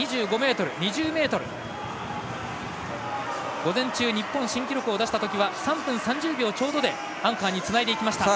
午前中日本新記録を出したときは３分３０秒ちょうどでアンカーにつないでいきました。